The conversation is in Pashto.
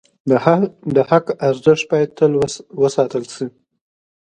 د حق ارزښت باید تل وساتل شي.